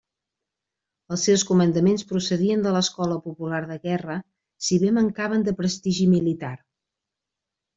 Els seus comandaments procedien de l'Escola Popular de Guerra, si bé mancaven de prestigi militar.